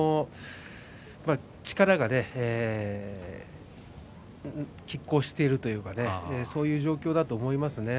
力がきっ抗しているというかそういう状況だと思いますね。